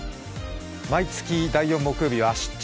毎月第４木曜日は「出張！